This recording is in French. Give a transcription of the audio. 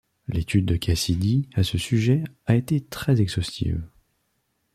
L'étude de Cassidy à ce sujet a été très exhaustive.